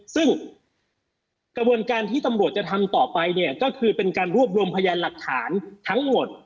ซึ่งกระบวนการที่ตำรวจจะทำต่อไปเนี่ยก็คือเป็นการรวบรวมพยานหลักฐานทั้งหมด